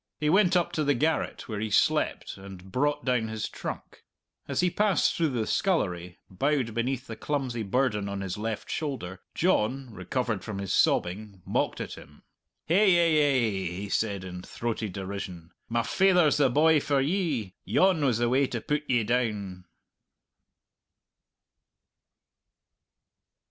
He went up to the garret where he slept and brought down his trunk. As he passed through the scullery, bowed beneath the clumsy burden on his left shoulder, John, recovered from his sobbing, mocked at him. "Hay ay ay," he said, in throaty derision, "my faither's the boy for ye. Yon was the way to put ye down!"